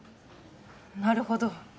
なるほど